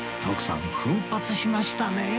徳さん奮発しましたね